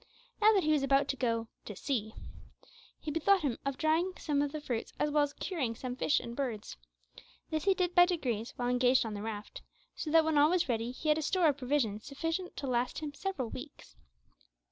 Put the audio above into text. Now that he was about to "go to sea," he bethought him of drying some of the fruits as well as curing some fish and birds. This he did by degrees, while engaged on the raft, so that when all was ready he had a store of provisions sufficient to last him several weeks.